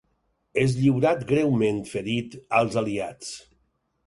És lliurat greument ferit als aliats.